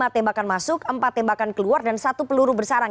lima tembakan masuk empat tembakan keluar dan satu peluru bersarang